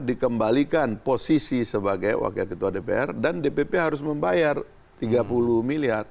dikembalikan posisi sebagai wakil ketua dpr dan dpp harus membayar tiga puluh miliar